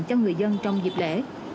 cho người dân trong dịp lễ